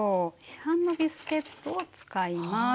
市販のビスケットを使います。